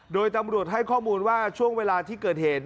โดยตำรวจให้ข้อมูลว่าช่วงเวลาที่เกิดเหตุ